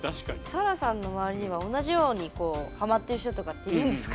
さらさんの周りには同じようにハマってる人とかっているんですか？